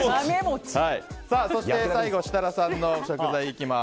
そして、最後は設楽さんの食材です。